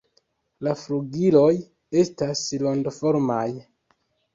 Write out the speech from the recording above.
La flugiloj estas rondoformaj.